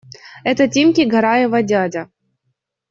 Это Тимки Гараева дядя.